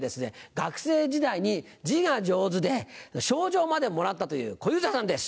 学生時代に字が上手で賞状までもらったという小遊三さんです。